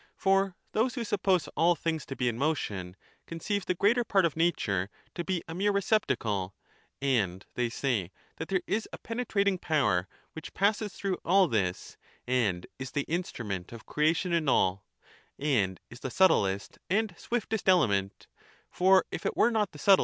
For those who suppose all things to be in motion conceive the greater part of nature to be a mere receptacle ; and they say that there is a penetrating power which passes through all this, and is the instrument of creation in all, and is the subtlest and swiftest element ; for if it were not the subtlest, ' Reading cfijia'k'kovTat: del to ev : cp.